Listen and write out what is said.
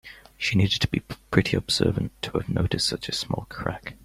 She needed to be pretty observant to have noticed such a small crack.